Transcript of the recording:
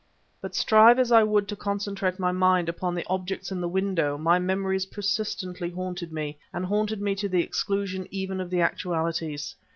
But, strive as I would to concentrate my mind upon the objects in the window, my memories persistently haunted me, and haunted me to the exclusion even of the actualities.